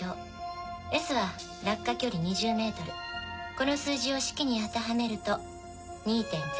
この数字を式にあてはめると。